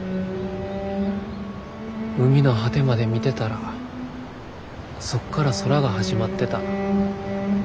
海の果てまで見てたらそっから空が始まってた。